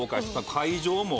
会場も。